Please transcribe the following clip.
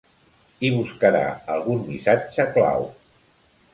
Hi buscarà algun missatge clau.